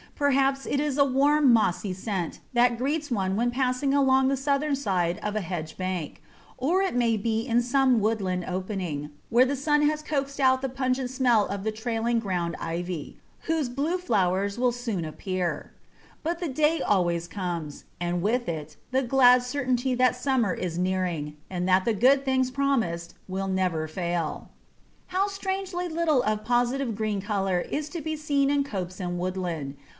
Perhaps it is a warm, mossy scent that greets one when passing along the southern side of a hedge bank; or it may be in some woodland opening, where the sun has coaxed out the pungent smell of the trailing ground Ivy, whose blue flowers will soon appear; but the day always comes, and with it the glad certainty that summer is nearing, and that the good things promised will never fail. How strangely little of positive green colour is to be seen in copse and woodland.